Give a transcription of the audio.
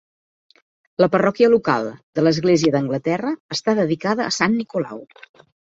La parròquia local de l'Església d'Anglaterra està dedicada a Sant Nicolau.